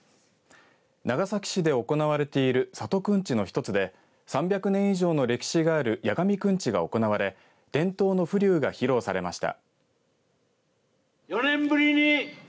長崎市で行われている郷くんちの一つで３００年以上の歴史がある矢上くんちが行われ伝統の浮立が披露されました。